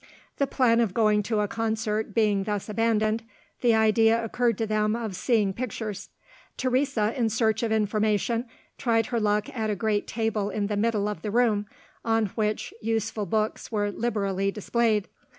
The plan of going to a concert being thus abandoned, the idea occurred to them of seeing pictures. Teresa, in search of information, tried her luck at a great table in the middle of the room, on which useful books were liberally displayed.